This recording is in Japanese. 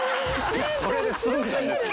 これで済んだんですよ。